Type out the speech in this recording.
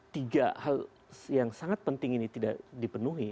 tiga hal yang sangat penting ini tidak dipenuhi